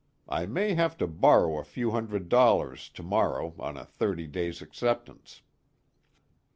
I may have to borrow a few hundred dollars to morrow on a thirty days' acceptance."